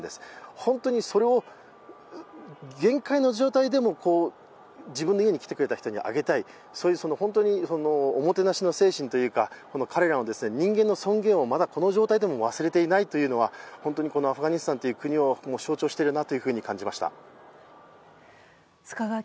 本当にそれを限界の状態でも自分の家に来てくれた人にあげたい、そういうおもてなしの精神というか、彼らの人間の尊厳をまだこの状態でも忘れていないというのは本当にアフガニスタンという国を象徴しているなと感じました。